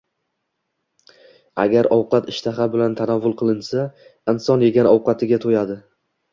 Agar ovqat ishtaha bilan tanovul qilinsa, inson yegan ovqatiga to‘yadi.